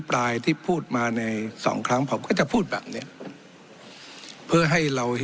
ปลายที่พูดมาในสองครั้งผมก็จะพูดแบบเนี้ยเพื่อให้เราเห็น